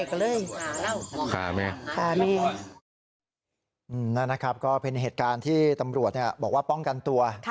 ค่ะค่ะแม่ค่ะแม่อือนั่นนะครับก็เป็นเหตุการณ์ที่ตำรวจเนี้ยบอกว่าป้องกันตัว